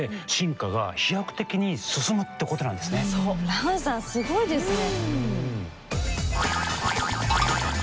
ランさんすごいですね！